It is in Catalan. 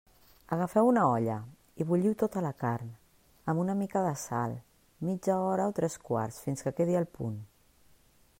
Agafeu una olla i bulliu tota la carn, amb una mica de sal, mitja hora o tres quarts fins que quedi al punt.